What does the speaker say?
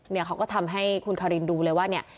เขาก็ทำให้คุณคารินดูเลยว่าเนี่ย